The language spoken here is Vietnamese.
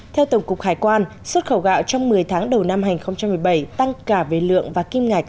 theo tổng cục hải quan xuất khẩu gạo trong một mươi tháng đầu năm hai nghìn một mươi bảy tăng cả về lượng và kim ngạch